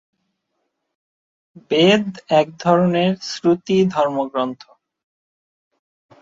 বেদ এক ধরনের শ্রুতি ধর্মগ্রন্থ।